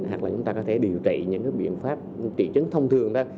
hoặc là chúng ta có thể điều trị những cái biện pháp trị chứng thông thường đó